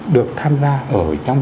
được tham gia ở trong